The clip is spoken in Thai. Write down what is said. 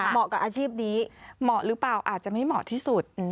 กับอาชีพนี้เหมาะหรือเปล่าอาจจะไม่เหมาะที่สุด